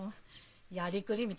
やりくり道